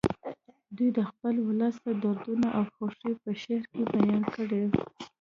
دوی د خپل ولس دردونه او خوښۍ په شعر کې بیان کړي